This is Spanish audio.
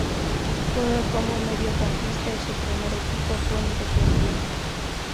Juega como mediocampista y su primer equipo fue Independiente.